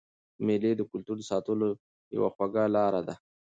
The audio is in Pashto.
مېلې د کلتور د ساتلو یوه خوږه لار ده.